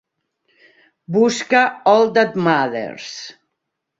Busca "All That Matters".